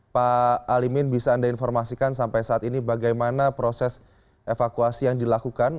pak alimin bisa anda informasikan sampai saat ini bagaimana proses evakuasi yang dilakukan